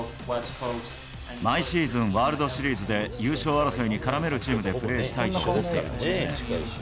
毎シーズン、ワールドシリーズで優勝争いに絡めるチームでプレーしたいと思ってるんですね。